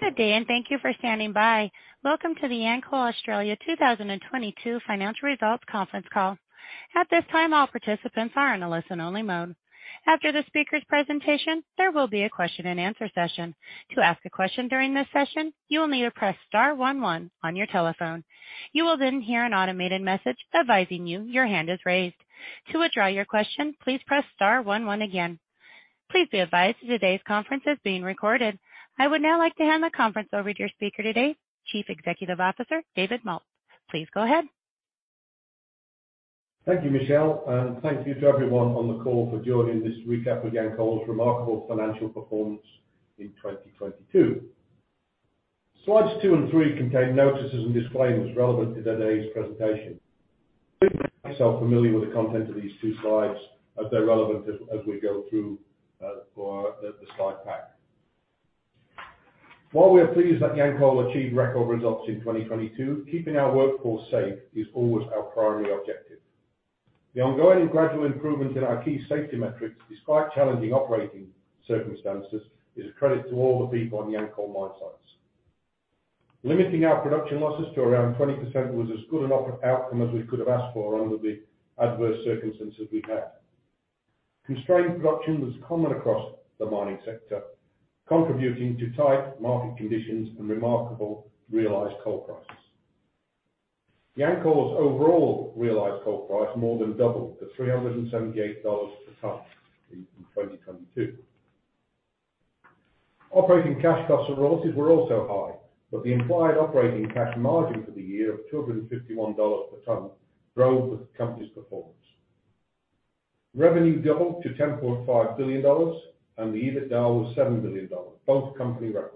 Good day, thank you for standing by. Welcome to the Yancoal Australia 2022 financial results conference call. At this time, all participants are in a listen-only mode. After the speaker's presentation, there will be a question-and-answer session. To ask a question during this session, you will need to press star one one on your telephone. You will hear an automated message advising you your hand is raised. To withdraw your question, please press star one one again. Please be advised that today's conference is being recorded. I would now like to hand the conference over to your speaker today, Chief Executive Officer, David Moult. Please go ahead. Thank you, Michelle. Thank you to everyone on the call for joining this recap of Yancoal's remarkable financial performance in 2022. Slides 2 and 3 contain notices and disclaimers relevant to today's presentation. Please make yourself familiar with the content of these 2 slides as they're relevant as we go through for the slide pack. While we are pleased that Yancoal achieved record results in 2022, keeping our workforce safe is always our primary objective. The ongoing gradual improvement in our key safety metrics, despite challenging operating circumstances, is a credit to all the people on Yancoal mine sites. Limiting our production losses to around 20% was as good an outcome as we could have asked for under the adverse circumstances we had. Constrained production was common across the mining sector, contributing to tight market conditions and remarkable realized coal prices. Yancoal's overall realized coal price more than doubled to 378 dollars per tonne in 2022. Operating cash costs and royalties were also high, but the implied operating cash margin for the year of 251 dollars per tonne drove the company's performance. Revenue doubled to 10.5 billion dollars, and the EBITDA was 7 billion dollars, both company records.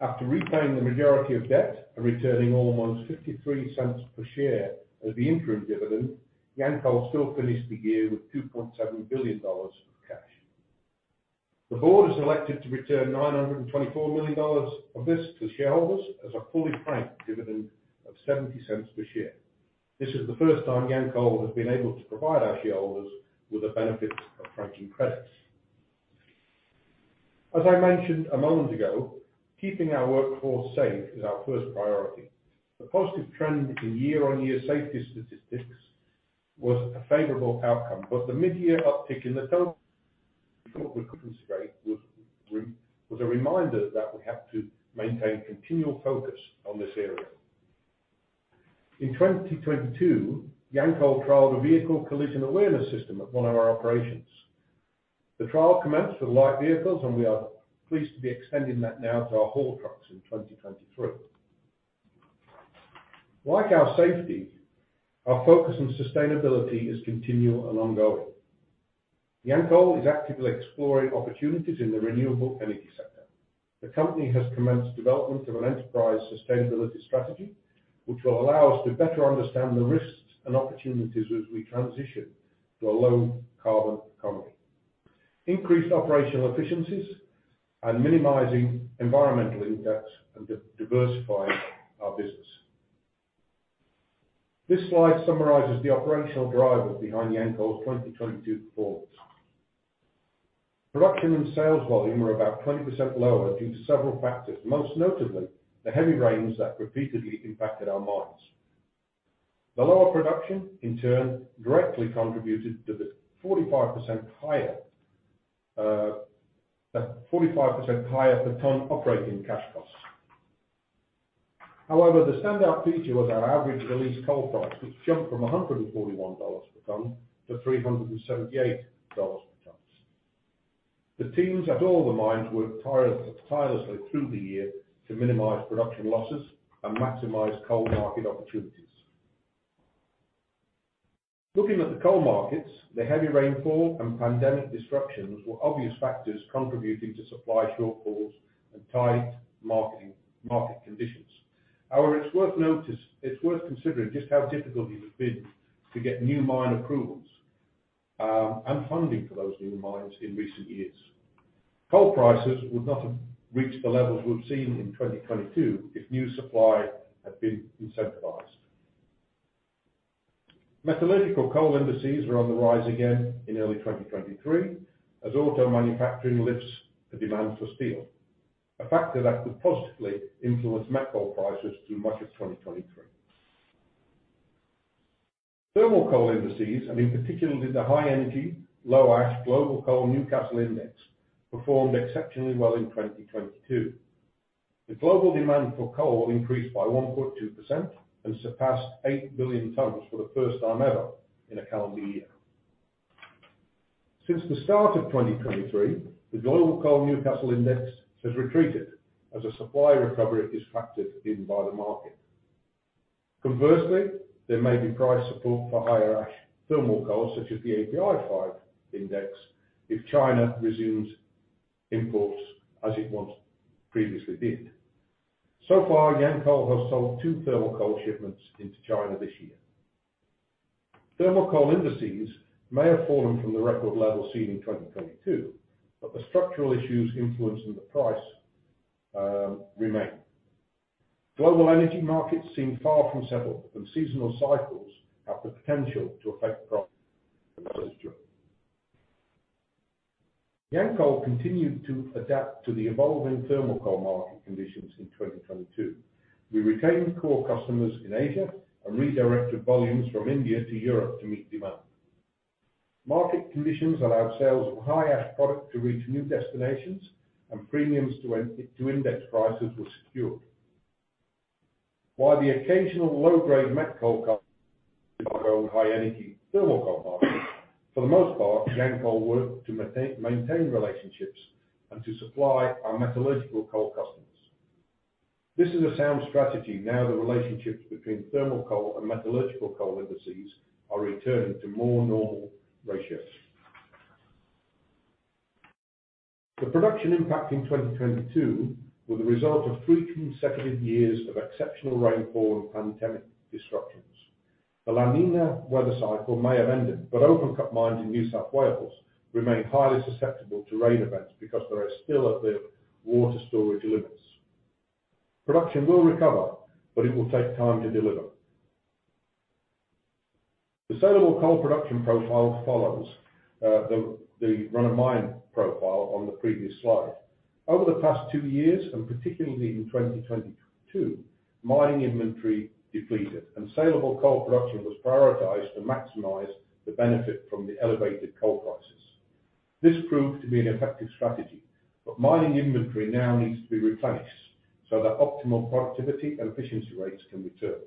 After repaying the majority of debt and returning almost 0.53 per share as the interim dividend, Yancoal still finished the year with 2.7 billion dollars of cash. The board has elected to return 924 million dollars of this to shareholders as a fully franked dividend of 0.70 per share. This is the first time Yancoal has been able to provide our shareholders with the benefits of franking credits. As I mentioned a moment ago, keeping our workforce safe is our first priority. The positive trend in year-on-year safety statistics was a favorable outcome, but the mid-year uptick in the total was a reminder that we have to maintain continual focus on this area. In 2022, Yancoal trialed a vehicle collision awareness system at one of our operations. The trial commenced with light vehicles, and we are pleased to be extending that now to our haul trucks in 2023. Like our safety, our focus on sustainability is continual and ongoing. Yancoal is actively exploring opportunities in the renewable energy sector. The company has commenced development of an enterprise sustainability strategy, which will allow us to better understand the risks and opportunities as we transition to a low carbon economy, increased operational efficiencies and minimizing environmental impacts, and diversifying our business. This slide summarizes the operational drivers behind Yancoal's 2022 performance. Production and sales volume are about 20% lower due to several factors, most notably, the heavy rains that repeatedly impacted our mines. The lower production, in turn, directly contributed to the 45% higher per ton operating cash costs. The standout feature was our average released coal price, which jumped from 141 dollars per ton to 378 dollars per ton. The teams at all the mines worked tirelessly through the year to minimize production losses and maximize coal market opportunities. Looking at the coal markets, the heavy rainfall and pandemic disruptions were obvious factors contributing to supply shortfalls and tight market conditions. It's worth considering just how difficult it has been to get new mine approvals and funding for those new mines in recent years. Coal prices would not have reached the levels we've seen in 2022 if new supply had been incentivized. Metallurgical coal indices were on the rise again in early 2023, as auto manufacturing lifts the demand for steel. A factor that could positively influence met coal prices through much of 2023. Thermal coal indices, and in particular the high-energy, low-ash globalCOAL Newcastle Index, performed exceptionally well in 2022. The global demand for coal increased by 1.2% and surpassed 8 billion tons for the first time ever in a calendar year. Since the start of 2023, the globalCOAL Newcastle Index has retreated as a supply recovery is factored in by the market. Conversely, there may be price support for higher ash thermal coal, such as the API 5 Index, if China resumes imports as it once previously did. So far, Yancoal has sold 2 thermal coal shipments into China this year. Thermal coal indices may have fallen from the record levels seen in 2022. The structural issues influencing the price remain. Global energy markets seem far from settled. Seasonal cycles have the potential to affect price. Yancoal continued to adapt to the evolving thermal coal market conditions in 2022. We retained core customers in Asia and redirected volumes from India to Europe to meet demand. Market conditions allowed sales of high ash product to reach new destinations and premiums to index prices were secured. While the occasional low-grade met coal our own high energy thermal coal market, for the most part, Yancoal worked to maintain relationships and to supply our metallurgical coal customers. This is a sound strategy now that relationships between thermal coal and metallurgical coal indices are returning to more normal ratios. The production impact in 2022 were the result of three consecutive years of exceptional rainfall and pandemic disruptions. The La Niña weather cycle may have ended, open cut mines in New South Wales remain highly susceptible to rain events because they are still at their water storage limits. Production will recover, it will take time to deliver. The saleable coal production profile follows the run of mine profile on the previous slide. Over the past two years, particularly in 2022, mining inventory depleted and saleable coal production was prioritized to maximize the benefit from the elevated coal prices. This proved to be an effective strategy, but mining inventory now needs to be replenished so that optimal productivity and efficiency rates can return.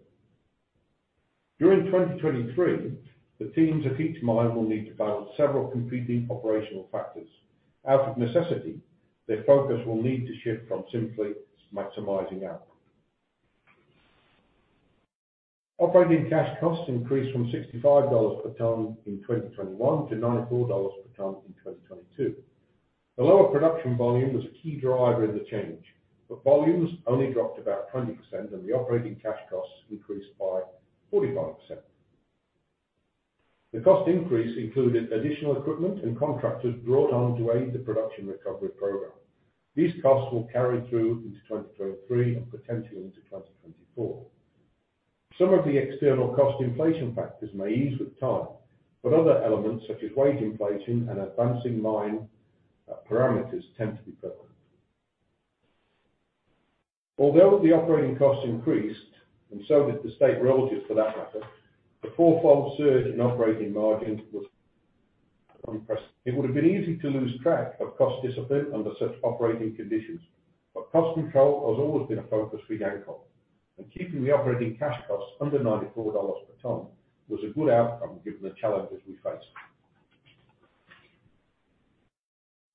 During 2023, the teams at each mine will need to balance several competing operational factors. Out of necessity, their focus will need to shift from simply maximizing output. Operating cash costs increased from 65 dollars per ton in 2021 to 94 dollars per ton in 2022. The lower production volume was a key driver in the change, but volumes only dropped about 20% and the operating cash costs increased by 45%. The cost increase included additional equipment and contractors brought on to aid the production recovery program. These costs will carry through into 2023 and potentially into 2024. Some of the external cost inflation factors may ease with time, but other elements such as wage inflation and advancing mine parameters tend to be permanent. Although the operating costs increased, and so did the state royalties for that matter, the 4-fold surge in operating margins was unprecedented. It would have been easy to lose track of cost discipline under such operating conditions, but cost control has always been a focus for Yancoal, and keeping the operating cash costs under 94 dollars per ton was a good outcome given the challenges we faced.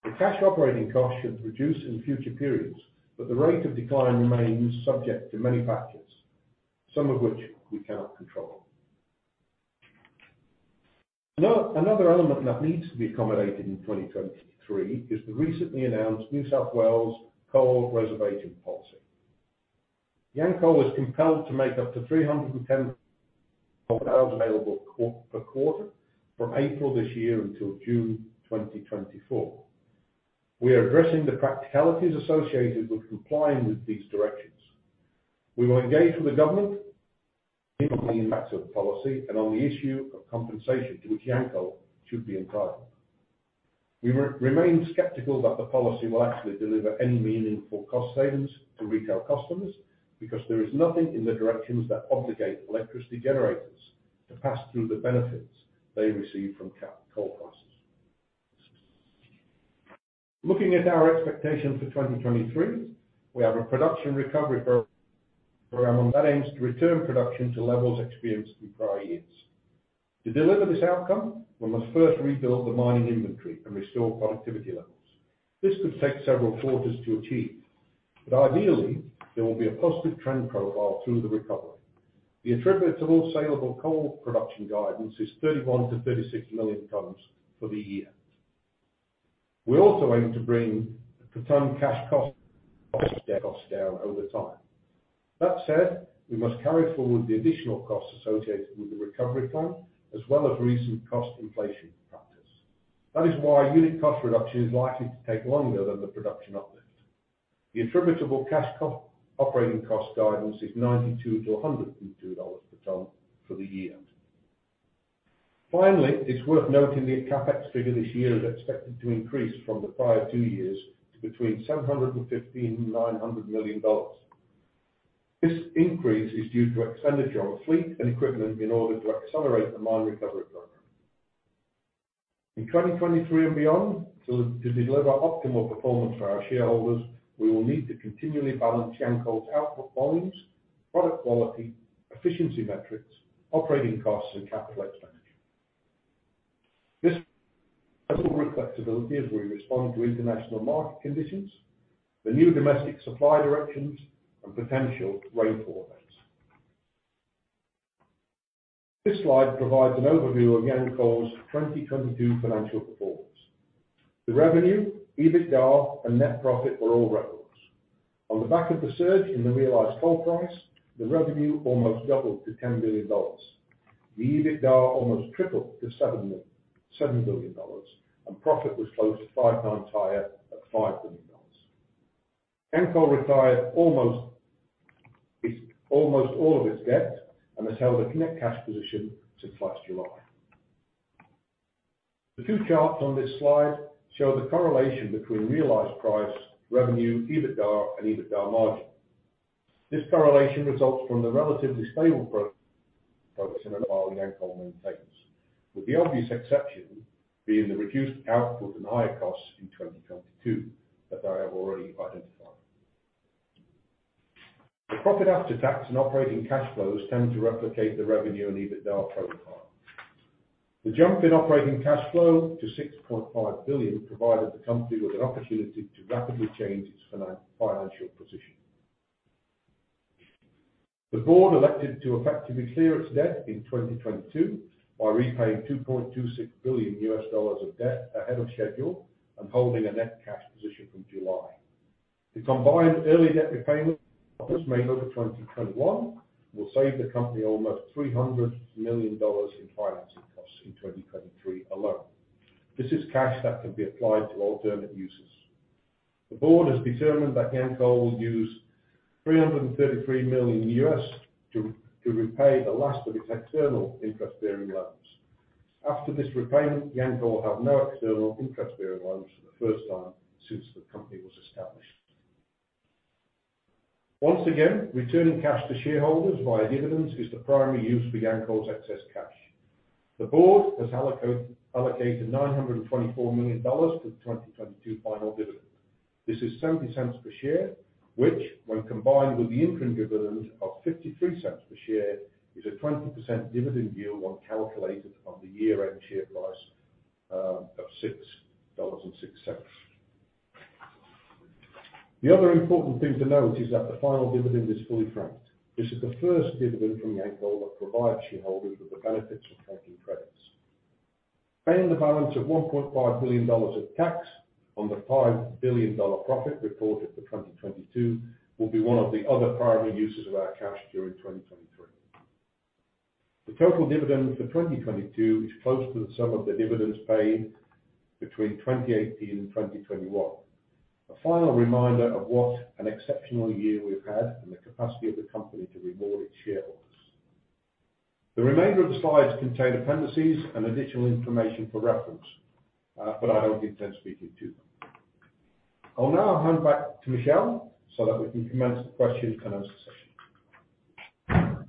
The cash operating costs should reduce in future periods, but the rate of decline remains subject to many factors, some of which we cannot control. Another element that needs to be accommodated in 2023 is the recently announced New South Wales Coal Reservation Policy. Yancoal is compelled to make up to 310 available per quarter from April this year until June 2024. We are addressing the practicalities associated with complying with these directions. We will engage with the government impacts of the policy and on the issue of compensation to which Yancoal should be entitled. We remain skeptical that the policy will actually deliver any meaningful cost savings to retail customers because there is nothing in the directions that obligate electricity generators to pass through the benefits they receive from coal costs. Looking at our expectations for 2023, we have a production recovery program that aims to return production to levels experienced in prior years. To deliver this outcome, we must first rebuild the mining inventory and restore productivity levels. This could take several quarters to achieve, but ideally, there will be a positive trend profile through the recovery. The attributable saleable coal production guidance is 31 to 36 million tonnes for the year. We also aim to bring the per ton cash costs down over time. That said, we must carry forward the additional costs associated with the recovery plan as well as recent cost inflation factors. That is why unit cost reduction is likely to take longer than the production uplift. The attributable cash operating cost guidance is 92 to 102 dollars per ton for the year. Finally, it's worth noting the CapEx figure this year is expected to increase from the prior two years to between 715 million dollars and AUD 900 million. This increase is due to expenditure on fleet and equipment in order to accelerate the mine recovery program. In 2023 and beyond, to deliver optimal performance for our shareholders, we will need to continually balance Yancoal's output volumes, product quality, efficiency metrics, operating costs, and capital expenditure. This overall flexibility as we respond to international market conditions, the new domestic supply directions, and potential rainfall events. This slide provides an overview of Yancoal's 2022 financial performance. The revenue, EBITDA, and net profit were all records. On the back of the surge in the realized coal price, the revenue almost doubled to $10 billion. The EBITDA almost tripled to $7 billion, and profit was close to five times higher at $5 billion. Yancoal retired almost all of its debt and has held a net cash position since last July. The two charts on this slide show the correlation between realized price, revenue, EBITDA, and EBITDA margin. This correlation results from the relatively stable pro-process and With the obvious exception being the reduced output and higher costs in 2022 that I have already identified. The profit after tax and operating cash flows tend to replicate the revenue and EBITDA profile. The jump in operating cash flow to 6.5 billion provided the company with an opportunity to rapidly change its financial position. The board elected to effectively clear its debt in 2022 by repaying 2.26 billion U.S., dollars of debt ahead of schedule and holding a net cash position from July. The combined early debt repayments made over 2021 will save the company almost 300 million dollars in financing costs in 2023 alone. This is cash that can be applied to alternate uses. The board has determined that Yancoal will use $333 million to repay the last of its external interest-bearing loans. After this repayment, Yancoal will have no external interest-bearing loans for the first time since the company was established. Once again, returning cash to shareholders via dividends is the primary use for Yancoal's excess cash. The board has allocated 924 million dollars for the 2022 final dividend. This is 0.70 per share, which when combined with the interim dividend of 0.53 per share, is a 20% dividend yield when calculated on the year-end share price of AUD 6.06. The other important thing to note is that the final dividend is fully franked. This is the first dividend from Yancoal that provides shareholders with the benefits of franking credits. Paying the balance of 1.5 billion dollars of tax on the 5 billion dollar profit reported for 2022 will be one of the other primary uses of our cash during 2023. The total dividend for 2022 is close to the sum of the dividends paid between 2018 and 2021. A final reminder of what an exceptional year we've had and the capacity of the company to reward its shareholders. The remainder of the slides contain appendices and additional information for reference, I don't intend speaking to them. I'll now hand back to Michelle so that we can commence the question and answer session.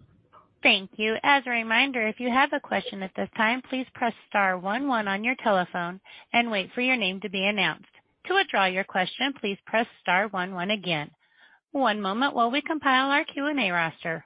Thank you. As a reminder, if you have a question at this time, please press star 11 on your telephone and wait for your name to be announced. To withdraw your question, please press star 11 again. One moment while we compile our Q&A roster.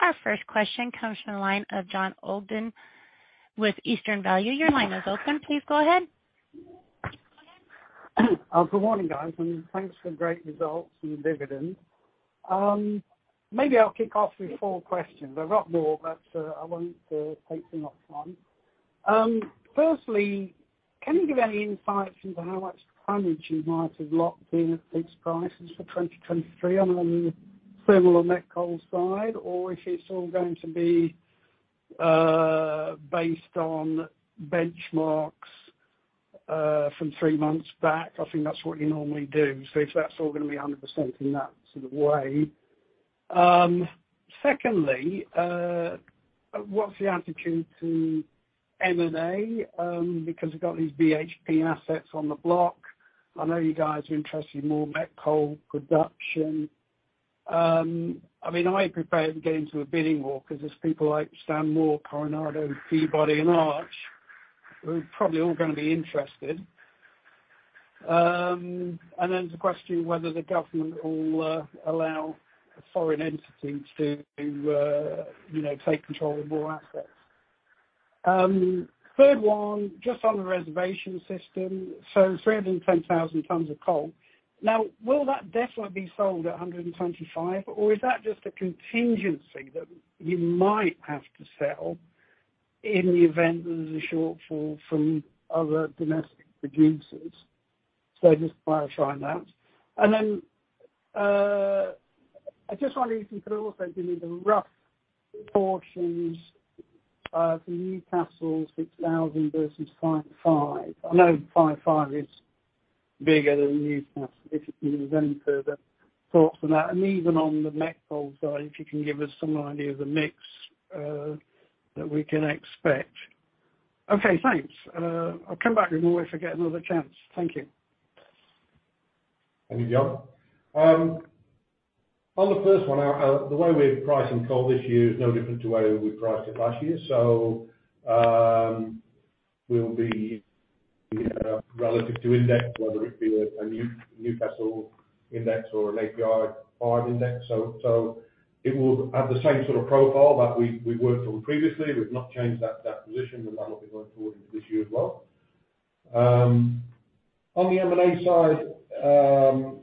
Our first question comes from the line of Jon Ogden with Eastern Value. Your line is open. Please go ahead. Good morning, guys, thanks for great results and dividends. Maybe I'll kick off with 4 questions. I've got more, I won't take too much time. Firstly, can you give any insight into how much tonnage you might have locked in at fixed prices for 2023? I mean, thermal or met coal side, or if it's all going to be based on benchmarks from 3 months back? I think that's what you normally do. If that's all gonna be 100% in that sort of way. Secondly, what's the attitude to M&A? We've got these BHP assets on the block. I know you guys are interested in more met coal production. I mean, I am prepared to get into a bidding war because there's people like Stanmore, Coronado, Peabody, and Arch, who are probably all gonna be interested. And then there's the question whether the government will, allow a foreign entity to, you know, take control of more assets. Third one, just on the reservation system. 310,000 tons of coal. Now, will that definitely be sold at 125, or is that just a contingency that you might have to sell in the event there's a shortfall from other domestic producers? Just clarify that. I just wonder if you could also give me the rough proportions, for Newcastle 6,000 versus Five Five. I know Five Five is bigger than Newcastle, if you've any further thoughts on that. Even on the met coal side, if you can give us some idea of the mix, that we can expect. Okay, thanks. I'll come back in a way if I get another chance. Thank you. Thank you, John. On the first one, the way we're pricing coal this year is no different to the way we priced it last year. We'll be relative to index, whether it be a Newcastle index or an API 5 Index. It will have the same sort of profile that we've worked from previously. We've not changed that position, and that will be going forward into this year as well. On the M&A side,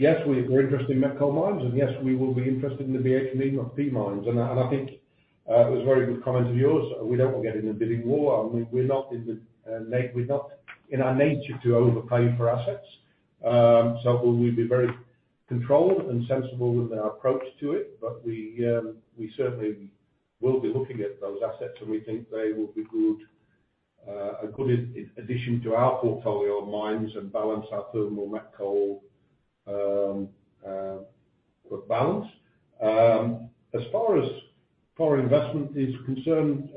Yes, we're interested in met coal mines, and yes, we will be interested in the BHP Mitsui Coal mines. I think it was a very good comment of yours. We don't want to get in a bidding war. I mean, we're not in our nature to overpay for assets. We'd be very controlled and sensible with our approach to it. We certainly will be looking at those assets, and we think they will be good, a good addition to our portfolio of mines and balance our thermal met coal balance. As far as foreign investment is concerned,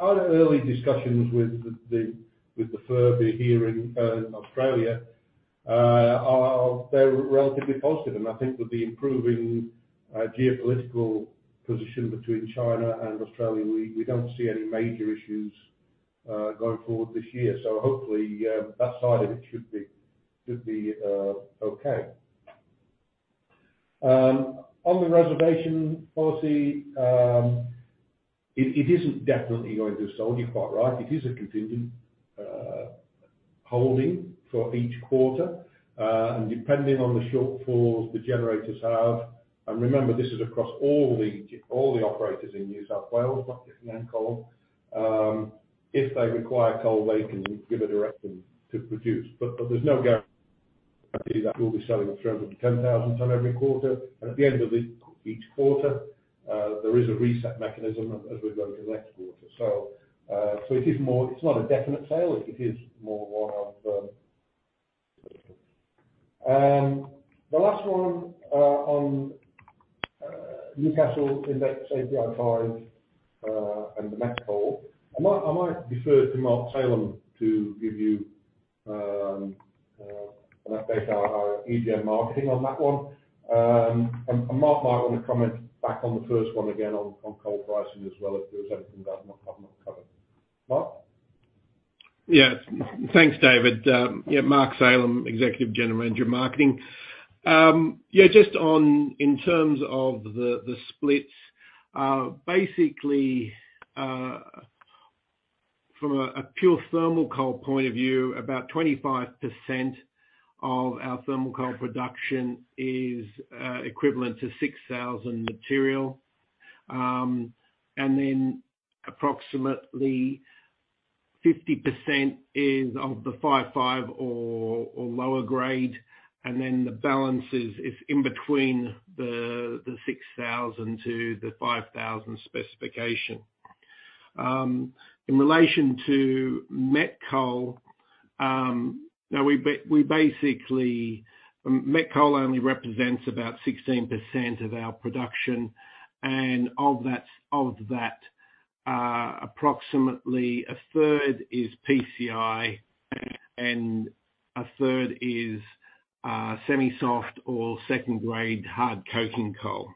our early discussions with the FIRB here in Australia are very relatively positive. I think with the improving geopolitical position between China and Australia, we don't see any major issues going forward this year. Hopefully, that side of it should be okay. On the reservation policy, it isn't definitely going to sold. You're quite right. It is a contingent holding for each quarter. Depending on the shortfalls the generators have, and remember, this is across all the operators in New South Wales, not just Yancoal. If they require coal, they can give a direction to produce. There's no guarantee that we'll be selling 310,000 ton every quarter. At the end of each quarter, there is a reset mechanism as we go to the next quarter. It's not a definite sale. It is more one of the last one on Newcastle index API 5 and the met coal. I might defer to Mark Salem to give you an update on our AGM marketing on that one. Mark might want to comment back on the first one again on coal pricing as well, if there was anything that I've not covered. Mark? Yeah. Thanks, David. Mark Salem, Executive General Manager – Marketing. Just on in terms of the splits, basically, from a pure thermal coal point of view, about 25% of our thermal coal production is equivalent to 6,000 material. Approximately 50% is of the 5,500 or lower grade, and then the balance is in between the 6,000 to the 5,000 specification. In relation to met coal, now we basically. Met coal only represents about 16% of our production. Of that, approximately a third is PCI and a third is semi-soft or second grade hard coking coal.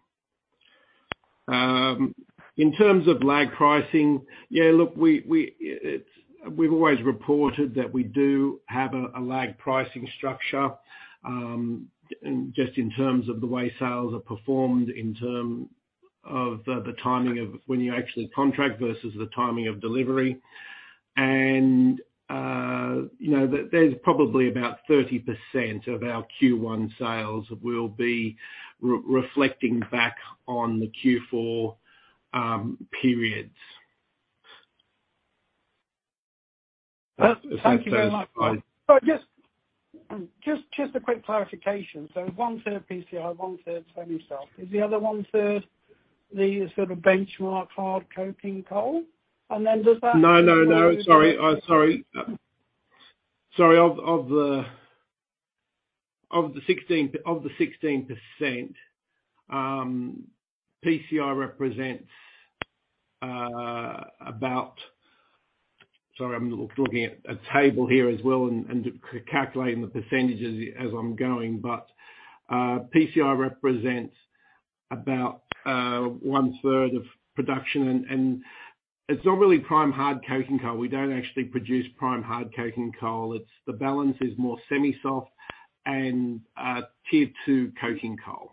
In terms of lag pricing, we've always reported that we do have a lag pricing structure, and just in terms of the way sales are performed, in term of the timing of when you actually contract versus the timing of delivery. You know, there's probably about 30% of our Q1 sales will be re-reflecting back on the Q4 periods. Thank you very much, Mark. If that answers your- Sorry, just a quick clarification. One third PCI, one third semi-soft. Is the other one third the sort of benchmark hard coking coal? No, no. Sorry. Sorry. Of the 16%, PCI represents about... Sorry, I'm looking at a table here as well and calculating the percentages as I'm going. PCI represents about one third of production. it's not really prime hard coking coal. We don't actually produce prime hard coking coal. It's the balance is more semi-soft and tier two coking coal.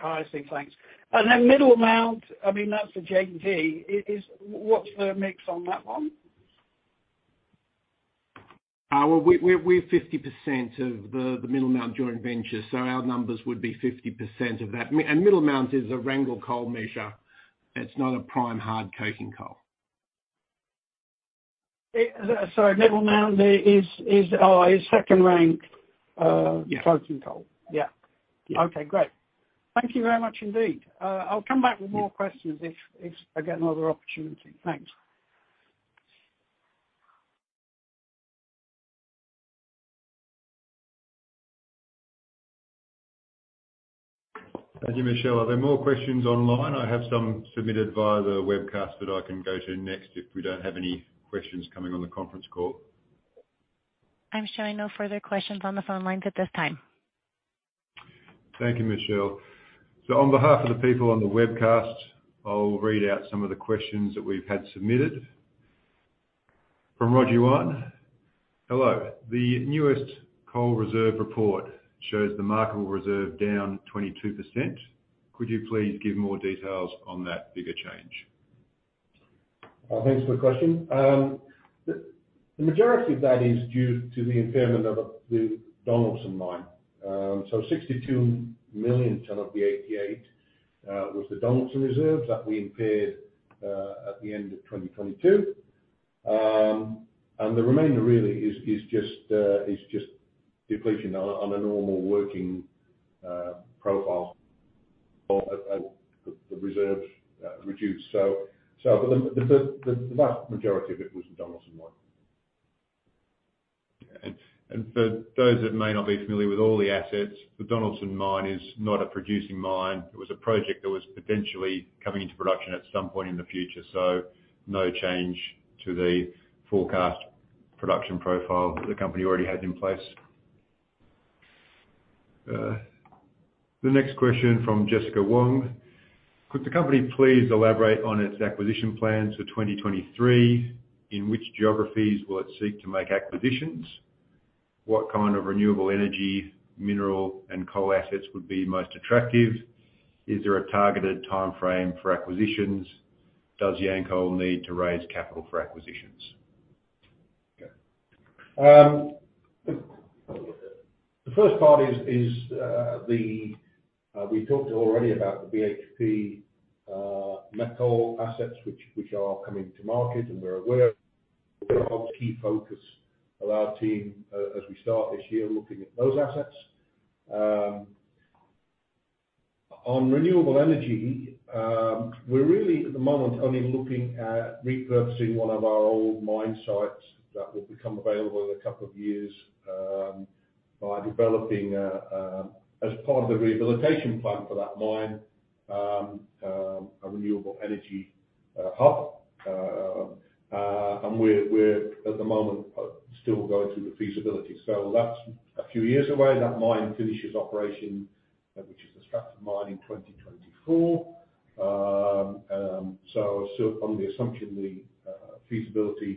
I see. Thanks. Middlemount, I mean that's a JV. What's the mix on that one? We're 50% of the Middlemount joint venture, so our numbers would be 50% of that. Middlemount is a wrangle coal measure. It's not a prime hard coking coal. Sorry, Middlemount is second ranked coking coal. Yeah. Yeah. Okay, great. Thank you very much indeed. I'll come back with more questions if I get another opportunity. Thanks. Thank you. Michelle, are there more questions online? I have some submitted via the webcast that I can go to next if we don't have any questions coming on the conference call. I'm showing no further questions on the phone lines at this time. Thank you, Michelle. On behalf of the people on the webcast, I'll read out some of the questions that we've had submitted. From Roger Yuan: Hello. The newest coal reserve report shows the markable reserve down 22%. Could you please give more details on that bigger change? Thanks for the question. The majority of that is due to the impairment of the Donaldson Mine. 62 million ton of the 88 was the Donaldson reserves that we impaired at the end of 2022. The remainder really is just depletion on a normal working profile for the reserves reduced. The vast majority of it was the Donaldson Mine. For those that may not be familiar with all the assets, the Donaldson Mine is not a producing mine. It was a project that was potentially coming into production at some point in the future. No change to the forecast production profile the company already has in place. The next question from Jessica Wong: Could the company please elaborate on its acquisition plans for 2023? In which geographies will it seek to make acquisitions? What kind of renewable energy, mineral and coal assets would be most attractive? Is there a targeted timeframe for acquisitions? Does Yancoal need to raise capital for acquisitions? The first part is, we've talked already about the BHP met coal assets which are coming to market, and we're aware of key focus of our team as we start this year looking at those assets. On renewable energy, we're really at the moment only looking at repurposing one of our old mine sites that will become available in a couple of years, by developing as part of the rehabilitation plan for that mine, a renewable energy hub. We're at the moment still going through the feasibility. That's a few years away. That mine finishes operation, which is the Stratford Mine in 2024. On the assumption the feasibility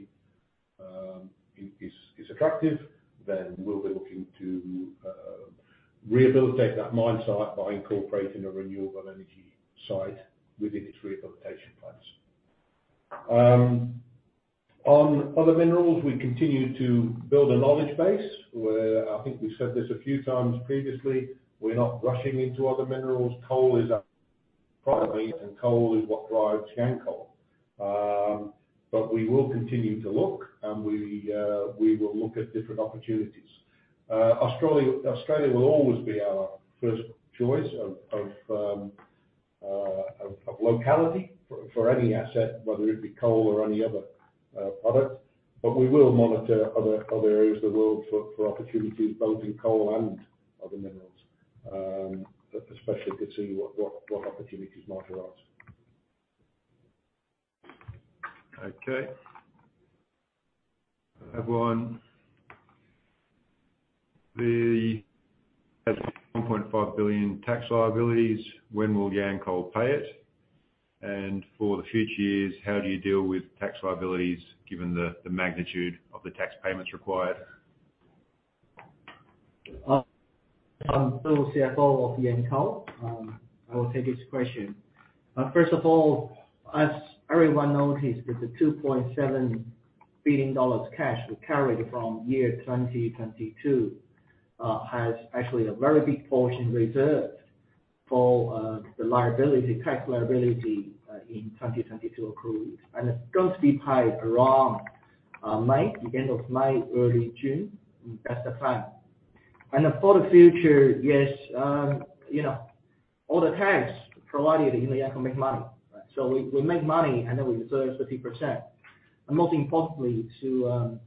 is attractive, we'll be looking to rehabilitate that mine site by incorporating a renewable energy site within its rehabilitation plans. On other minerals, we continue to build a knowledge base, where I think we've said this a few times previously, we're not rushing into other minerals. Coal is our product, and coal is what drives Yancoal. We will continue to look, and we will look at different opportunities. Australia will always be our first choice of locality for any asset, whether it be coal or any other product. We will monitor other areas of the world for opportunities both in coal and other minerals, especially considering what opportunities might arise. Okay. I have one. 1.5 billion tax liabilities, when will Yancoal pay it? For the future years, how do you deal with tax liabilities given the magnitude of the tax payments required? I'm CFO of Yancoal. I will take this question. First of all, as everyone noticed with the 2.7 billion dollars cash we carried from year 2022, has actually a very big portion reserved for the liability, tax liability, in 2022 accrual. It's going to be paid around May, the end of May, early June. That's the plan. For the future, yes, you know, all the tax provided in Yancoal make money, right? We make money and then we reserve 50%. Most importantly to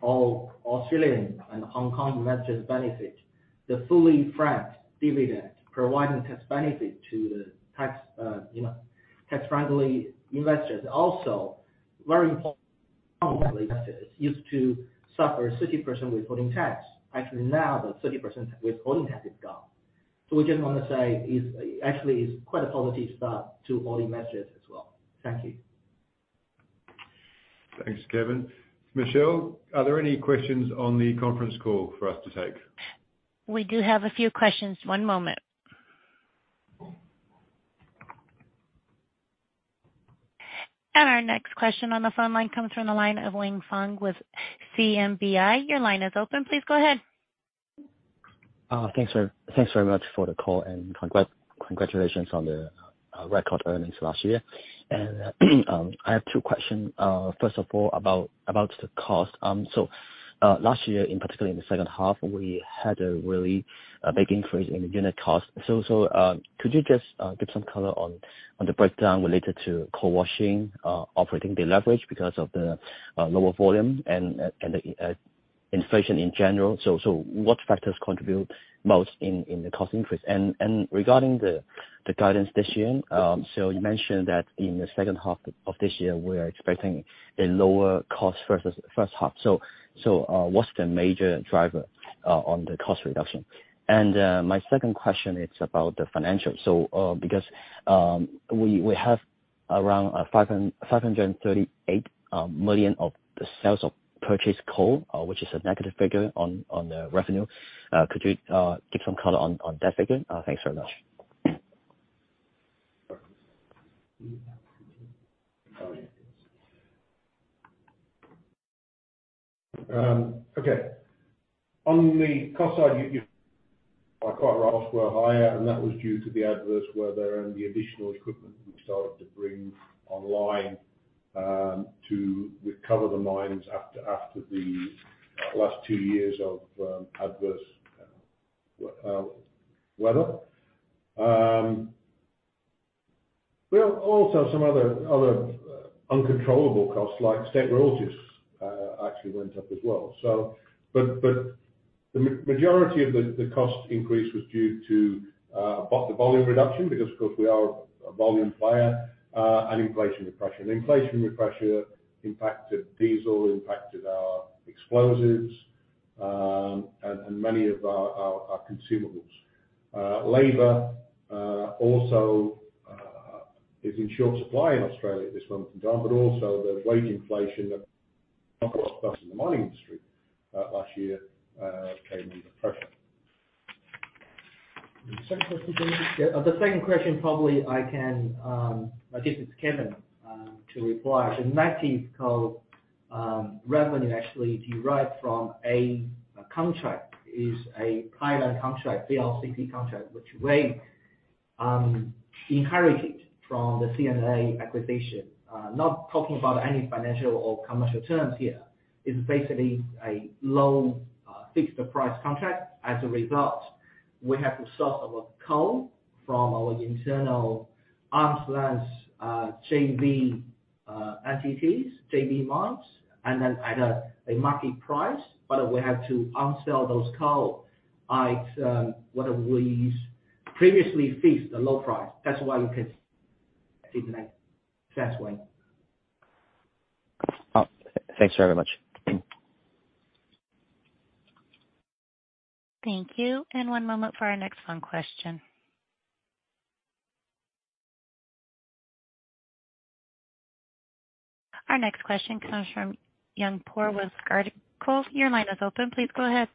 all Australian and Hong Kong investors benefit, the fully franked dividend providing tax benefit to the tax, you know, tax frankly investors. Also, very important investors used to suffer 30% withholding tax. Actually now the 30% withholding tax is gone. We just wanna say is actually quite a positive start to all the investors as well. Thank you. Thanks, Kevin. Michelle, are there any questions on the conference call for us to take? We do have a few questions. One moment. Our next question on the phone line comes from the line of Linfang Li with CMBI. Your line is open. Please go ahead. Thanks very much for the call and congratulations on the record earnings last year. I have two questions. First of all, about the cost. Last year, in particular in the second half, we had a really a big increase in unit costs. Could you just give some color on the breakdown related to coal washing, operating the leverage because of the lower volume and the inflation in general? What factors contribute most in the cost increase? Regarding the guidance this year, you mentioned that in the second half of this year, we're expecting a lower cost versus first half. What's the major driver on the cost reduction? My second question is about the financial. Because we have around 538 million of the sales of purchased coal, which is a negative figure on the revenue. Could you give some color on that figure? Thanks very much. Okay. On the cost side, you are quite right, were higher, and that was due to the adverse weather and the additional equipment we started to bring online to recover the mines after the last two years of adverse weather. We have also some other uncontrollable costs like state royalties, actually went up as well. But the majority of the cost increase was due to the volume reduction because of course we are a volume player and inflation repression. Inflation repression impacted diesel, impacted our explosives, and many of our consumables. Labor also is in short supply in Australia at this moment in time, but also the wage inflation of course plus the mining industry last year came under pressure. The second question, please. Yeah. The second question, probably I can give to Kevin to reply. Matthew's called revenue actually derived from a contract. It is a pilot contract, BLCT contract, which we inherited from the CNA acquisition. Not talking about any financial or commercial terms here. It's basically a low, fixed price contract. As a result, we have to source our coal from our internal arm's length JV entities, JV mines, and then at a market price. We have to unsell those coal at what we previously fixed the low price. That's why you can see the net that way. Oh, thanks very much. Thank you. One moment for our next phone question. Our next question comes from uncertain with uncertain. Your line is open. Please go ahead.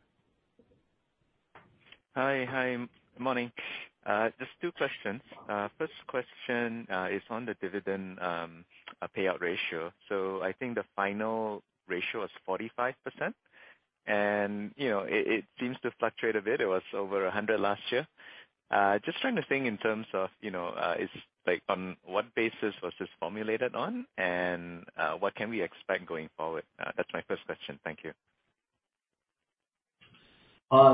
Hi. Hi. Good morning. Just 2 questions. First question, is on the dividend, payout ratio. I think the final ratio was 45%. You know, it seems to fluctuate a bit. It was over 100 last year. Just trying to think in terms of, you know, is like on what basis was this formulated on and, what can we expect going forward? That's my first question. Thank you.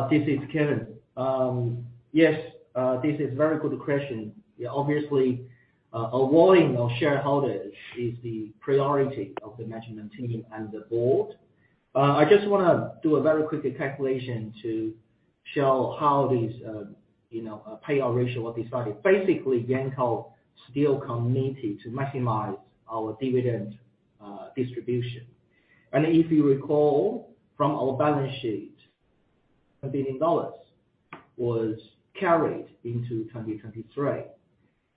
This is Kevin. Yes. This is very good question. Obviously, avoiding our shareholders is the priority of the management team and the board. I just wanna do a very quick calculation to show how these, you know, payout ratio will be started. Basically, Yancoal still committed to maximize our dividend distribution. If you recall from our balance sheet, 1 billion dollars was carried into 2023,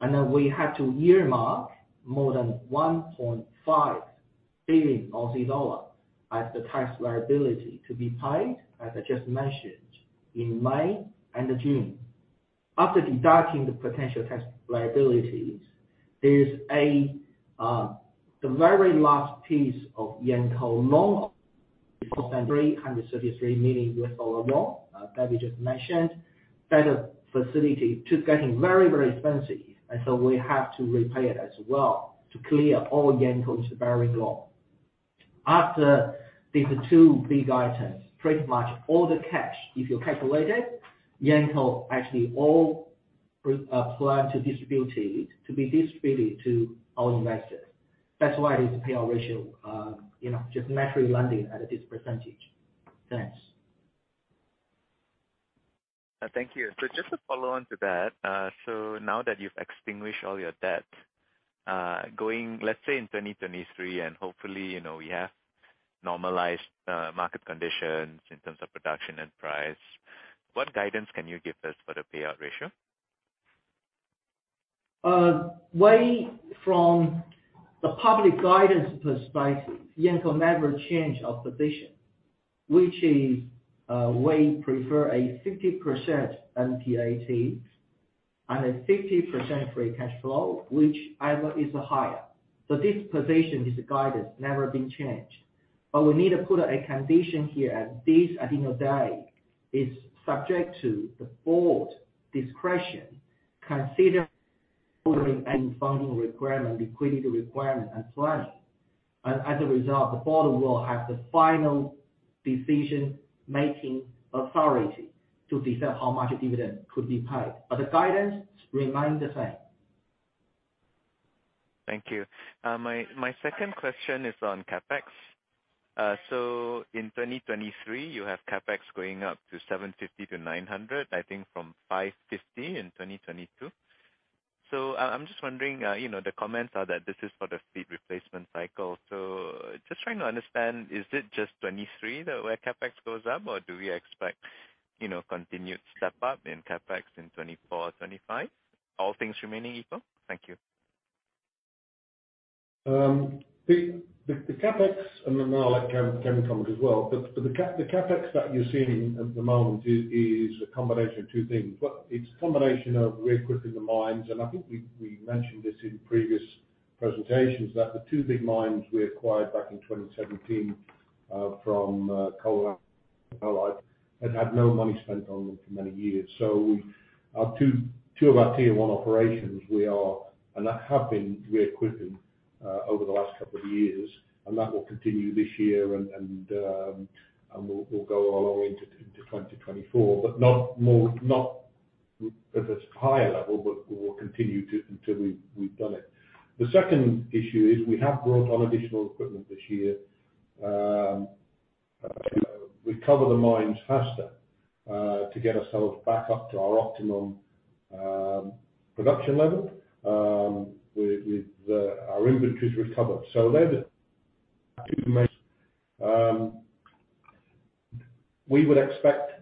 and then we had to earmark more than 1.5 billion Aussie dollars as the tax liability to be paid, as I just mentioned, in May and June. After deducting the potential tax liabilities, there is a very last piece of Yancoal loan, a $333 million US dollar loan that we just mentioned. That facility to getting very, very expensive. We have to repay it as well to clear all Yancoal's borrowing loan. After these two big items, pretty much all the cash, if you calculate it, Yancoal actually all plan to distribute it, to be distributed to our investors. That's why this payout ratio, you know, just naturally landing at this percentage. Thanks. Thank you. Just to follow on to that. Now that you've extinguished all your debt, going, let's say in 2023, and hopefully, you know, we have normalized market conditions in terms of production and price, what guidance can you give us for the payout ratio? Way from the public guidance perspective, Yancoal never change our position, which is, we prefer a 50% NPAT and a 50% free cash flow, whichever is higher. This position is the guidance never been changed. We need to put a condition here at this, at end of day, is subject to the board discretion considering any funding requirement, liquidity requirement, and planning. As a result, the board will have the final decision-making authority to decide how much dividend could be paid. The guidance remain the same. Thank you. My second question is on CapEx. In 2023, you have CapEx going up to 750 million-900 million, I think, from 550 million in 2022. I'm just wondering, you know, the comments are that this is for the fleet replacement cycle. Just trying to understand, is it just 2023 that where CapEx goes up, or do we expect, you know, continued step up in CapEx in 2024, 2025, all things remaining equal? Thank you. The CapEx, and then I'll let Kevin comment as well. The CapEx that you're seeing at the moment is a combination of two things. Well, it's a combination of re-equipping the mines, and I think we mentioned this in previous presentations, that the two big mines we acquired back in 2017 from Coal & Allied had no money spent on them for many years. Our two of our tier one operations, we are, and have been re-equipping over the last couple of years. That will continue this year and will go all the way into 2024. Not more, not at this high level, but we will continue to until we've done it. The second issue is we have brought on additional equipment this year, to recover the mines faster, to get ourselves back up to our optimum production level, with our inventories recovered. They're the two main... We would expect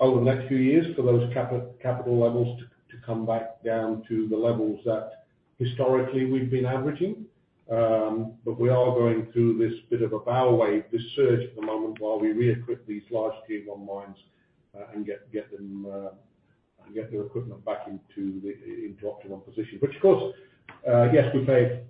over the next few years for those capital levels to come back down to the levels that historically we've been averaging. We are going through this bit of a bow wave, this surge at the moment, while we re-equip these large tier one mines, and get them and get their equipment back into the optimal position. Which of course, yes, we pay,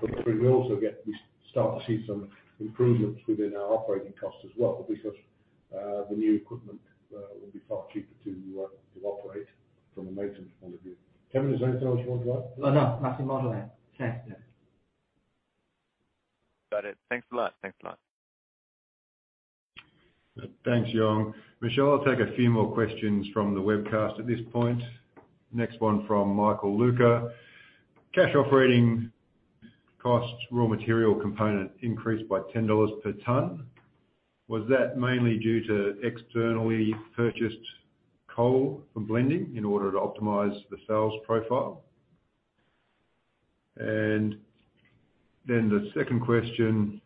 but we also get... We start to see some improvements within our operating costs as well. The new equipment will be far cheaper to operate from a maintenance point of view. Kevin, is there anything else you want to add? No, no. That's the model there. Thanks, yeah. Got it. Thanks a lot. Thanks a lot. Thanks, Yong. Michelle, I'll take a few more questions from the webcast at this point. Next one from Michael Leung: Cash operating costs, raw material component increased by 10 dollars per ton. Was that mainly due to externally purchased coal from blending in order to optimize the sales profile? The second question.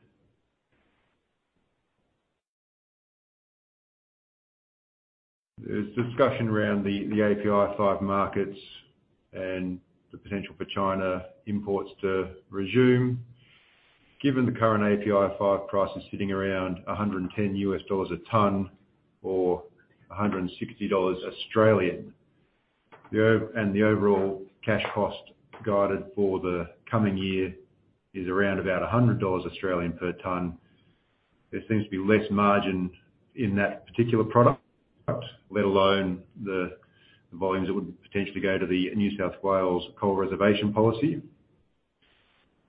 There's discussion around the API 5 markets and the potential for China imports to resume. Given the current API 5 price is sitting around $110 a ton or AUD 160, and the overall cash cost guided for the coming year is around about 100 Australian dollars per ton. There seems to be less margin in that particular product, let alone the volumes that would potentially go to the New South Wales Coal Reservation Policy.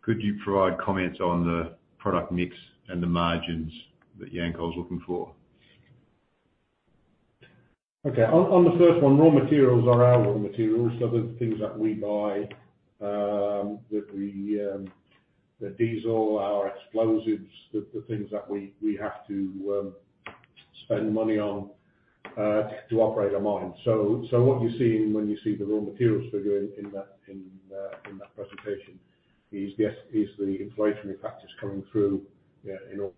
Could you provide comments on the product mix and the margins that Yancoal is looking for? Okay. On the first one, raw materials are our raw materials, so they're the things that we buy. The diesel, our explosives, the things that we have to spend money on to operate a mine. What you're seeing when you see the raw materials figure in that, in that presentation is yes, is the inflationary factors coming through in all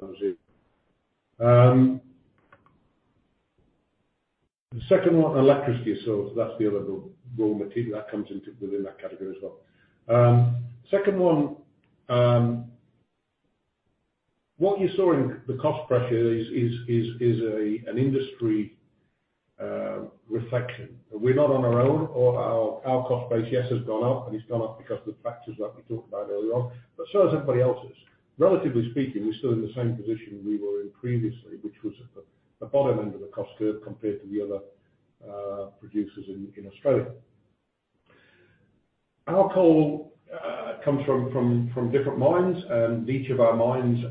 those areas. The second one, electricity. That's the other raw material that comes into, within that category as well. Second one, what you saw in the cost pressure is an industry reflection. We're not on our own. Our cost base, yes, has gone up, and it's gone up because of the factors that we talked about earlier on. So has everybody else's. Relatively speaking, we're still in the same position we were in previously, which was at the bottom end of the cost curve compared to the other producers in Australia. Our coal comes from different mines.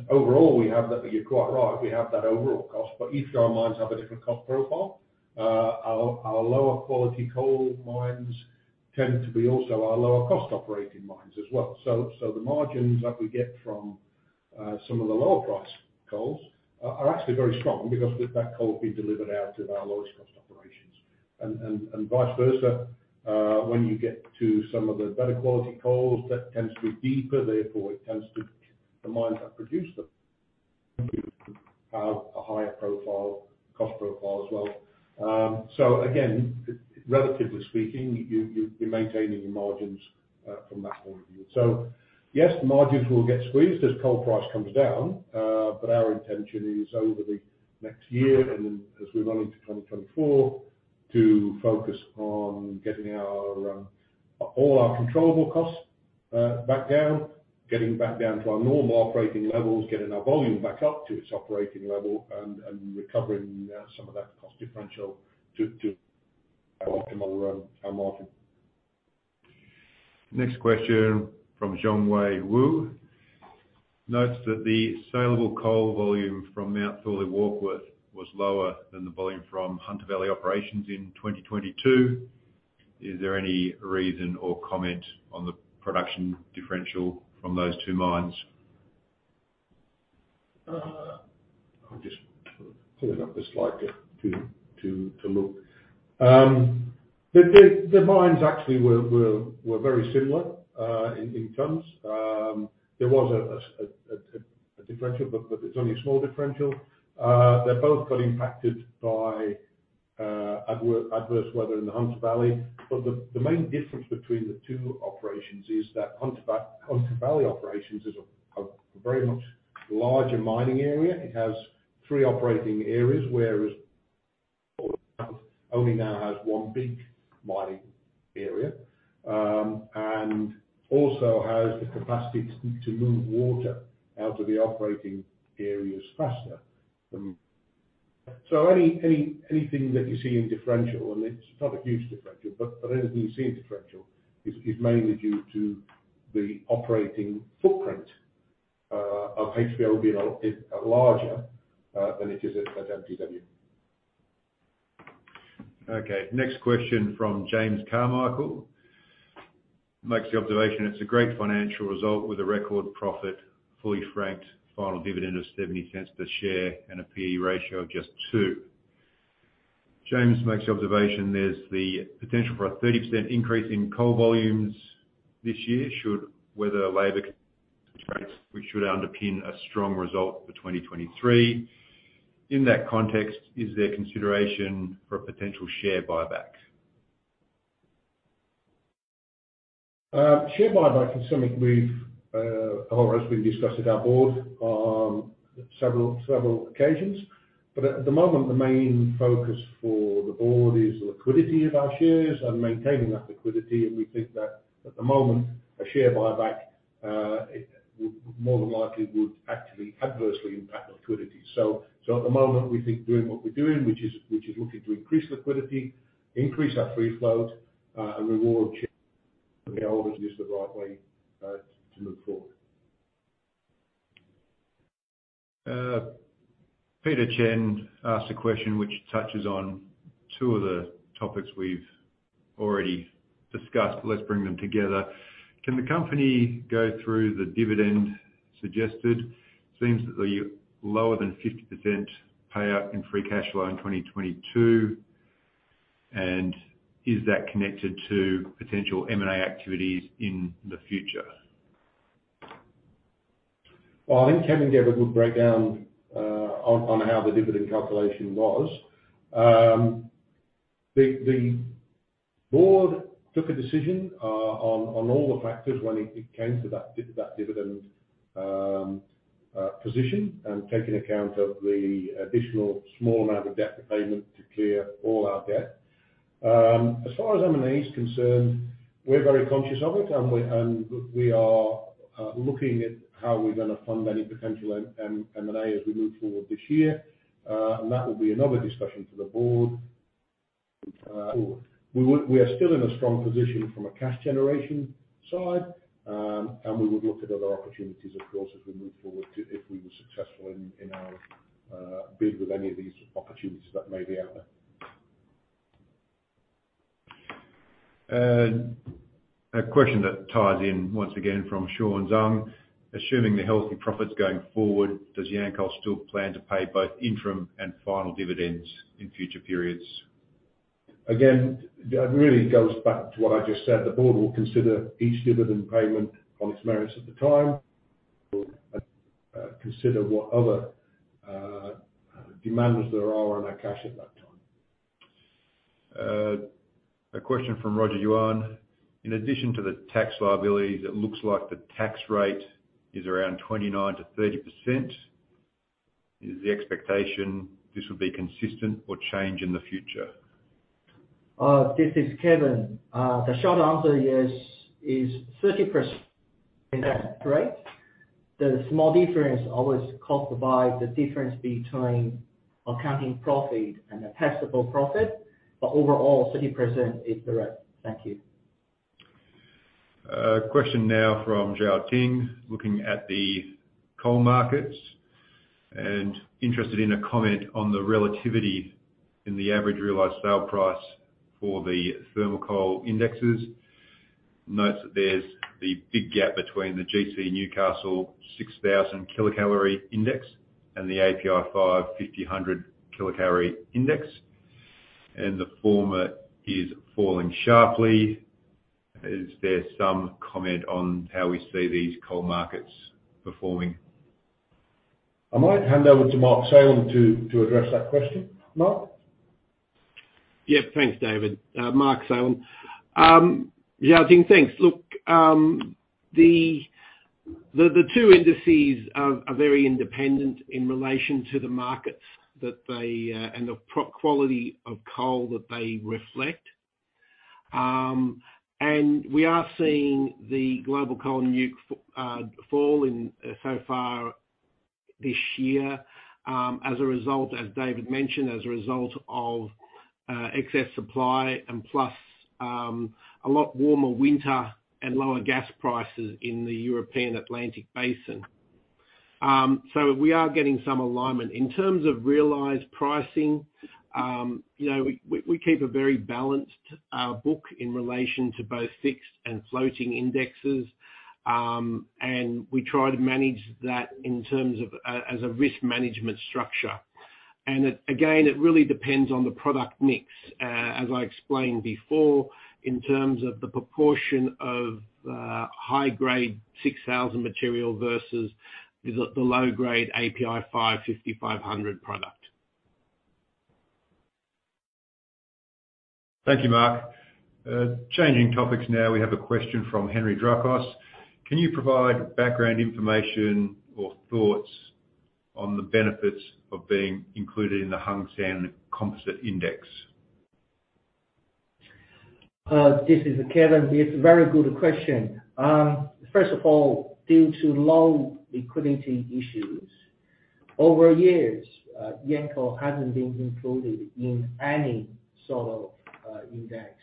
Overall, we have that, you're quite right, we have that overall cost, but each of our mines have a different cost profile. Our lower quality coal mines tend to be also our lower cost operating mines as well. The margins that we get from some of the lower price coals are actually very strong because that coal is being delivered out of our lowest cost operations. Vice versa, when you get to some of the better quality coals that tends to be deeper, therefore it tends to, the mines that produce them, have a higher profile, cost profile as well. Again, relatively speaking, you're maintaining your margins from that point of view. Yes, margins will get squeezed as coal price comes down. Our intention is over the next year and then as we run into 2024, to focus on getting all our controllable costs back down. Getting back down to our normal operating levels, getting our volume back up to its operating level and recovering some of that cost differential to our optimal our margin. Next question from Zhong Wei Wu. Notes that the saleable coal volume from Mount Thorley-Warkworth was lower than the volume from Hunter Valley operations in 2022. Is there any reason or comment on the production differential from those two mines? I'll just pull it up the slide deck to look. The mines actually were very similar in terms. There was a differential, but it's only a small differential. They both got impacted by adverse weather in the Hunter Valley. The main difference between the two operations is that Hunter Valley operations is a very much larger mining area. It has three operating areas, whereas only now has one big mining area. Also has the capacity to move water out of the operating areas faster than. Anything that you see in differential, and it's not a huge differential, but anything you see in differential is mainly due to the operating footprint of HBL being a larger than it is at MTW. Okay. Next question from James Carmichael. Makes the observation, it's a great financial result with a record profit, fully franked, final dividend of 0.70 per share and a P/E ratio of just 2. James makes the observation, there's the potential for a 30% increase in coal volumes this year should weather and labor which should underpin a strong result for 2023. In that context, is there consideration for a potential share buyback? Share buyback is something we've or has been discussed with our board on several occasions. At the moment, the main focus for the board is the liquidity of our shares and maintaining that liquidity. We think that at the moment, a share buyback would more than likely actually adversely impact liquidity. At the moment, we think doing what we're doing, which is looking to increase liquidity, increase our free float, and reward share is the right way to move forward. Peter Chen asked a question which touches on two of the topics we've already discussed. Let's bring them together. Can the company go through the dividend suggested? Seems that the lower than 50% payout in free cash flow in 2022, and is that connected to potential M&A activities in the future? I think Kevin gave a good breakdown on how the dividend calculation was. The board took a decision on all the factors when it came to that dividend position and taking account of the additional small amount of debt repayment to clear all our debt. As far as M&A is concerned, we're very conscious of it and we are looking at how we're gonna fund any potential M&A as we move forward this year. That will be another discussion for the board. We are still in a strong position from a cash generation side, and we would look at other opportunities, of course, as we move forward if we were successful in our bid with any of these opportunities that may be out there. A question that ties in once again from Sean Shen. Assuming the healthy profits going forward, does Yancoal still plan to pay both interim and final dividends in future periods? That really goes back to what I just said. The board will consider each dividend payment on its merits at the time. Consider what other demands there are on our cash at that time. A question from Roger Yuan. In addition to the tax liability, it looks like the tax rate is around 29%-30%. Is the expectation this will be consistent or change in the future? This is Kevin. The short answer is, 30% is correct. The small difference always caused by the difference between accounting profit and the taxable profit, but overall, 30% is correct. Thank you. A question now from Zhaojing, looking at the coal markets and interested in a comment on the relativity in the average realized sale price for the thermal coal indexes. Notes that there is the big gap between the GC Newcastle 6,000 kilocalorie index and the API 5 5,500 kilocalorie index. The former is falling sharply. Is there some comment on how we see these coal markets performing? I might hand over to Mark Salem to address that question. Mark? Yeah. Thanks, David. Mark Salem. Zhaojing, thanks. Look, the two indices are very independent in relation to the markets that they and the pro-quality of coal that they reflect. We are seeing the globalCOAL Newcastle fall in so far this year, as a result, as David mentioned, as a result of excess supply and plus a lot warmer winter and lower gas prices in the European Atlantic Basin. We are getting some alignment. In terms of realized pricing, you know, we keep a very balanced book in relation to both fixed and floating indexes. We try to manage that in terms of, as a risk management structure. It, again, it really depends on the product mix, as I explained before, in terms of the proportion of, high grade 6,000 material versus the low grade API 5 5,500 product. Thank you, Mark. Changing topics now. We have a question from Henry Wu. Can you provide background information or thoughts on the benefits of being included in the Hang Seng Composite Index? This is Kevin. It's a very good question. First of all, due to low liquidity issues over years, Yanco hasn't been included in any sort of index.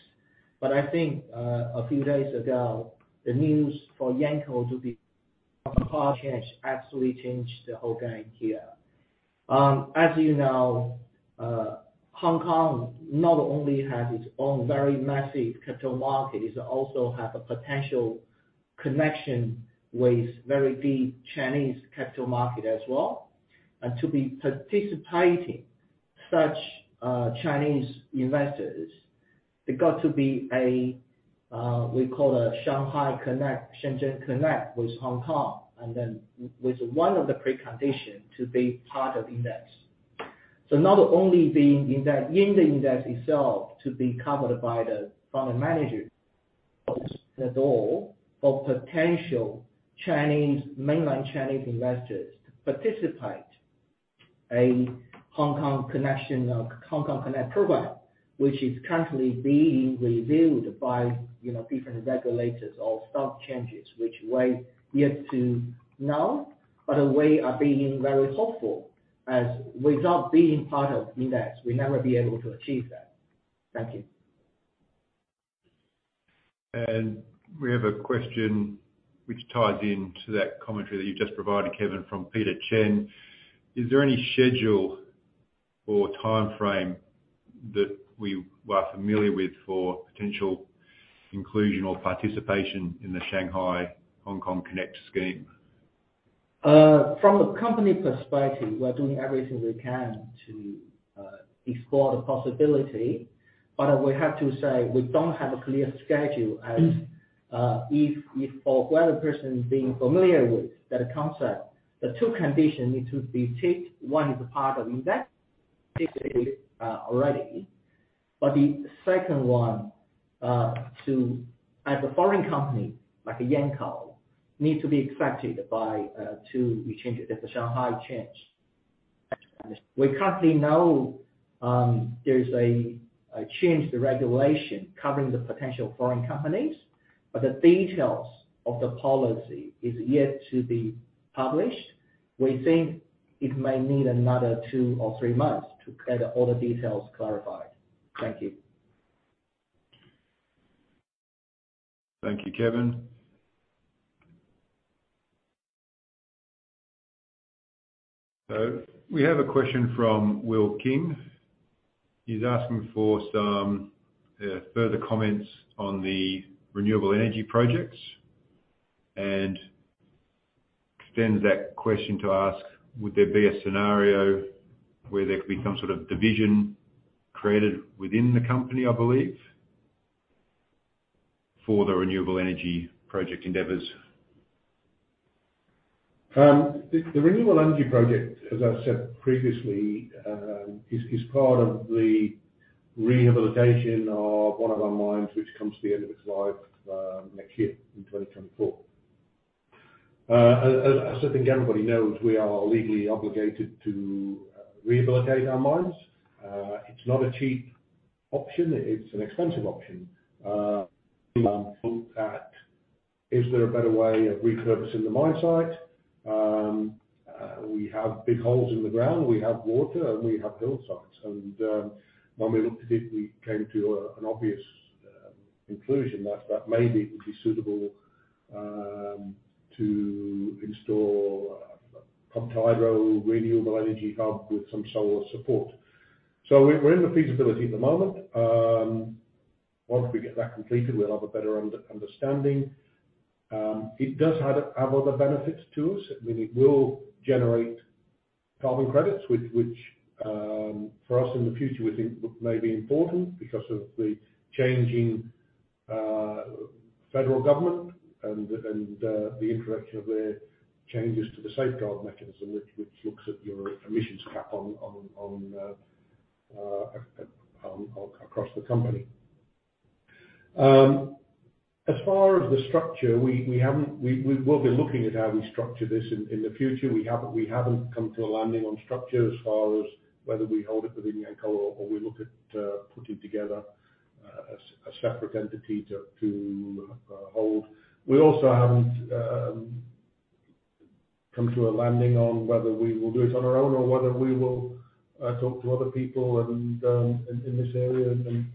I think a few days ago, the news for Yanco to be actually changed the whole game here. As you know, Hong Kong not only has its own very massive capital market, it also have a potential connection with very deep Chinese capital market as well. To be participating such Chinese investors, it got to be a we call a Shanghai Connect, Shenzhen Connect with Hong Kong, and then with one of the preconditions to be part of index. Not only being in the index itself to be covered by the fund manager the door of potential Chinese, mainland Chinese investors to participate. A Hong Kong Connect or Hong Kong Connect program, which is currently being reviewed by, you know, different regulators or stock exchanges, which way yet to know, but we are being very hopeful. As without being part of index, we'll never be able to achieve that. Thank you. We have a question which ties into that commentary that you've just provided, Kevin, from Peter Chen. Is there any schedule or timeframe that we are familiar with for potential inclusion or participation in the Shanghai Hong Kong Connect scheme? From a company perspective, we are doing everything we can to explore the possibility. We have to say, we don't have a clear schedule as if or whether a person is familiar with that concept. The two conditions need to be ticked. One is the part of index, ticked already. The second one, as a foreign company, like Yancoal, need to be accepted by the exchange, the Shanghai Connect. We currently know, there is a change to regulation covering the potential foreign companies, but the details of the policy is yet to be published. We think it may need another two or three months to get all the details clarified. Thank you. Thank you, Kevin. We have a question from Will Cang. He's asking for some further comments on the renewable energy projects, and extends that question to ask, would there be a scenario where there could be some sort of division created within the company, I believe, for the renewable energy project endeavors? The renewable energy project, as I said previously, is part of the rehabilitation of one of our mines, which comes to the end of its life next year in 2024. As I think everybody knows, we are legally obligated to rehabilitate our mines. It's not a cheap option. It's an expensive option. We looked at, is there a better way of repurposing the mine site? We have big holes in the ground, we have water, and we have hill sides. When we looked at it, we came to an obvious conclusion that maybe it would be suitable to install a pumped hydro renewable energy hub with some solar support. We're in the feasibility at the moment. Once we get that completed, we'll have a better understanding. It does have other benefits to us. I mean, it will generate carbon credits, which for us in the future we think may be important because of the changing federal government and the introduction of the changes to the Safeguard Mechanism, which looks at your emissions cap on across the company. As far as the structure, we haven't, we will be looking at how we structure this in the future. We haven't come to a landing on structure as far as whether we hold it within Yancoal or we look at putting together a separate entity to hold. We also haven't come to a landing on whether we will do it on our own or whether we will talk to other people and in this area and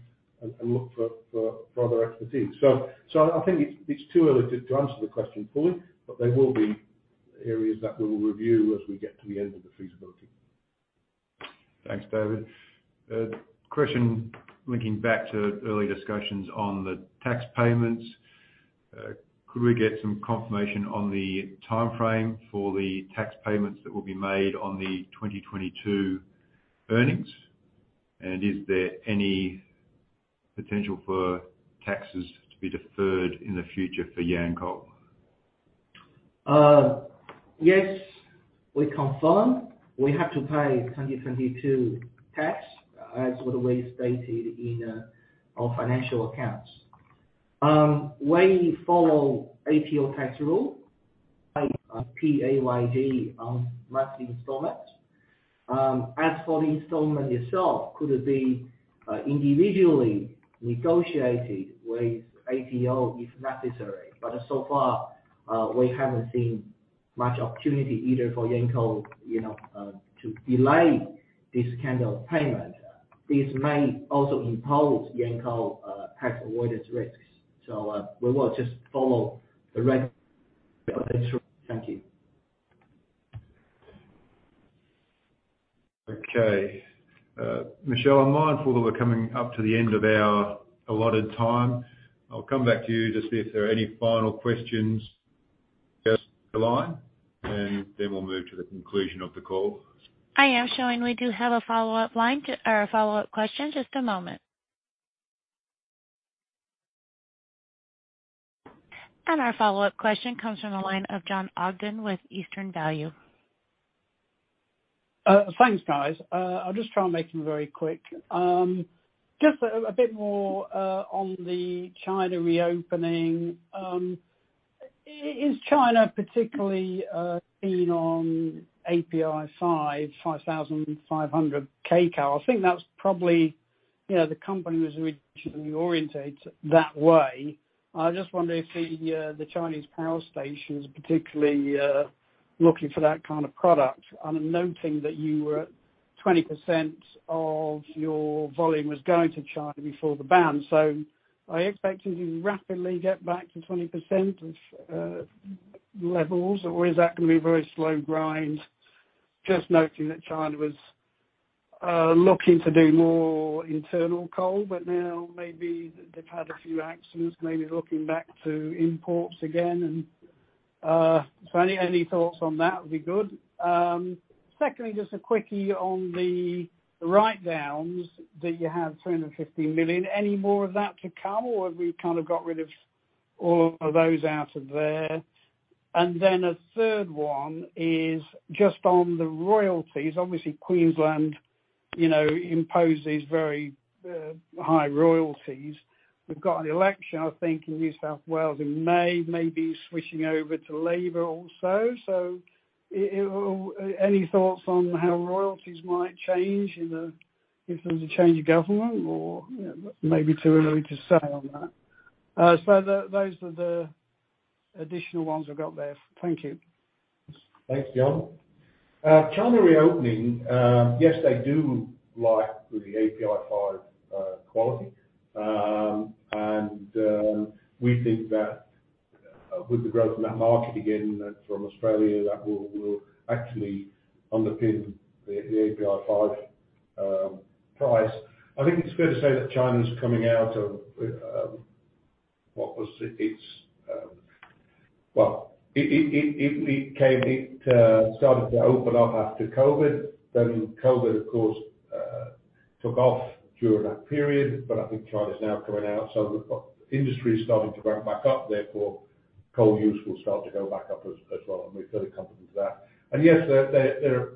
look for other expertise. I think it's too early to answer the question fully, but they will be areas that we'll review as we get to the end of the feasibility. Thanks, David. Question linking back to early discussions on the tax payments, could we get some confirmation on the timeframe for the tax payments that will be made on the 2022 earnings? Is there any potential for taxes to be deferred in the future for Yancoal? Yes. We confirm we have to pay 2022 tax as what we stated in our financial accounts. We follow ATO tax rule, like PAYG mass installment. As for the installment itself, could be individually negotiated with ATO if necessary. So far, we haven't seen much opportunity either for Yancoal, you know, to delay this kind of payment. This may also impose Yancoal tax avoidance risks. we will just follow the reg-. Thank you. Michelle, I'm mindful that we're coming up to the end of our allotted time. I'll come back to you to see if there are any final questions the line, and then we'll move to the conclusion of the call. I am showing we do have a follow-up line to or a follow-up question. Just a moment. Our follow-up question comes from the line of Jon Ogden with Eastern Value. Thanks, guys. I'll just try and make them very quick. A bit more on the China reopening. Is China particularly keen on API 5,500 kcal? I think that's probably, you know, the company was originally orientated that way. I just wonder if the Chinese power stations particularly looking for that kind of product. I'm noting that you were at 20% of your volume was going to China before the ban. Are you expecting to rapidly get back to 20% of levels, or is that gonna be a very slow grind? Noting that China was looking to do more internal coal, now maybe they've had a few accidents, maybe looking back to imports again, any thoughts on that would be good. Secondly, just a quickie on the write-downs that you had, 350 million. Any more of that to come, or have we kind of got rid of all of those out of there? A third one is just on the royalties. Obviously, Queensland, you know, imposed these very high royalties. We've got an election, I think, in New South Wales in May, maybe switching over to Labor also. Any thoughts on how royalties might change if there's a change of government or maybe too early to say on that? Those are the additional ones I've got there. Thank you. Thanks, John. China reopening, yes, they do like the API 5 quality. We think that with the growth in that market again from Australia, that will actually underpin the API 5 price. I think it's fair to say that China's coming out of what was it? Well, it started to open up after COVID. COVID, of course, took off during that period. I think China is now coming out. The industry is starting to ramp back up. Therefore, coal use will start to go back up as well. We feel confident of that. Yes, there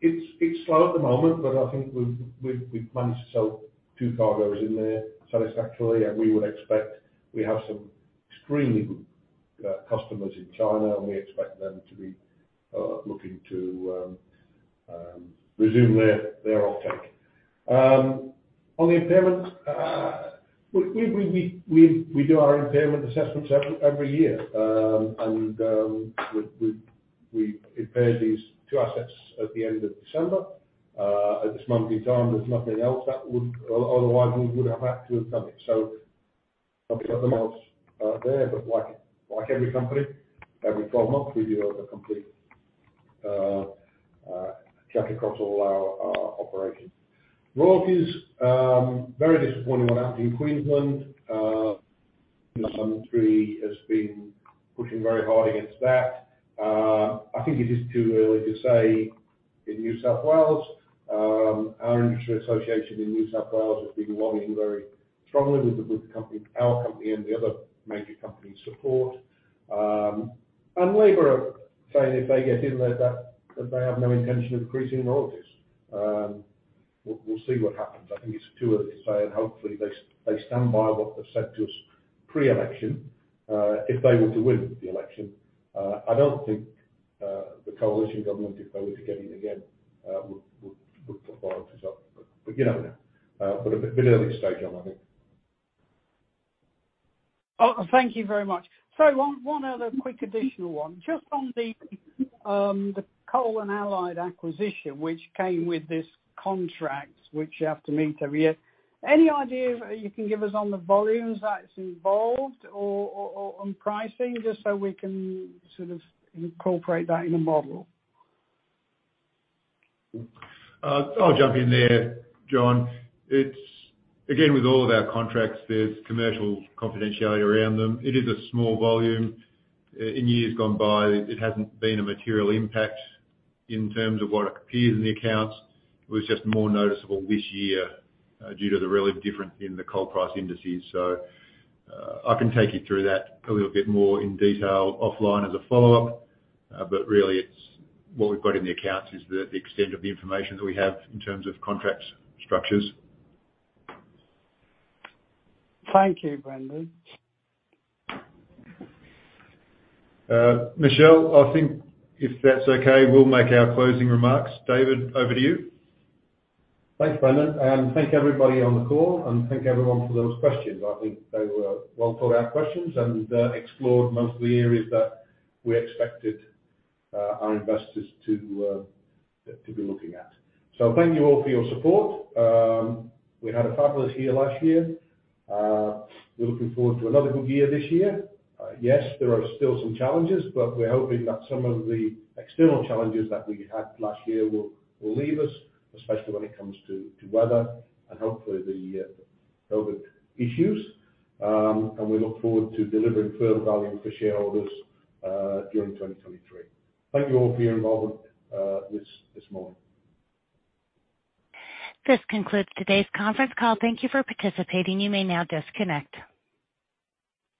it's slow at the moment, but I think we've managed to sell two cargos in there satisfactorily. We would expect we have some extremely good customers in China, and we expect them to be looking to resume their offtake. On the impairments, we do our impairment assessments every year. And we impaired these two assets at the end of December. At this moment in time, there's nothing else that would otherwise, we would have had to have done it. Nothing at the moment out there. Like every company, every 12 months, we do a complete check across all our operations. Royalties, very disappointing what happened in Queensland. You know, the country has been pushing very hard against that. I think it is too early to say in New South Wales. Our industry association in New South Wales has been lobbying very strongly with the company, our company and the other major companies' support. Labor are saying if they get in there that they have no intention of increasing royalties. We'll see what happens. I think it's too early to say. Hopefully they stand by what they've said to us pre-election if they were to win the election. I don't think the coalition government, if they were to get in again, would put royalties up. We don't know. A bit early stage, I think. Thank you very much. One other quick additional one. Just on the Coal & Allied acquisition, which came with this contract which you have to meet every year. Any idea you can give us on the volumes that is involved or on pricing, just so we can sort of incorporate that in the model? I'll jump in there, John. It's again, with all of our contracts, there's commercial confidentiality around them. It is a small volume. In years gone by, it hasn't been a material impact in terms of what appears in the accounts. It was just more noticeable this year, due to the relative difference in the coal price indices. I can take you through that a little bit more in detail offline as a follow-up. Really it's what we've got in the accounts is the extent of the information that we have in terms of contracts structures. Thank you, Brendan. Michelle, I think if that's okay, we'll make our closing remarks. David, over to you. Thanks, Brendan. Thank everybody on the call, and thank everyone for those questions. I think they were well thought out questions and explored most of the areas that we expected our investors to be looking at. Thank you all for your support. We had a fabulous year last year. We're looking forward to another good year this year. Yes, there are still some challenges, but we're hoping that some of the external challenges that we had last year will leave us, especially when it comes to weather and hopefully the COVID issues. We look forward to delivering further value for shareholders during 2023. Thank you all for your involvement this morning. This concludes today's conference call. Thank you for participating. You may now disconnect.